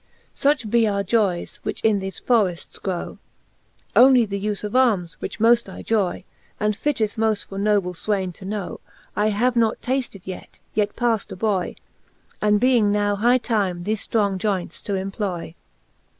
Such be our joyes, which in thefe forrefts grow; Onely the uie of armes, which moft I joy, ^ And fitteth moft for noble fwayne to know, I have not tafted yet, yet paft a boy, And being now high time thefe ftrong joynts to employ.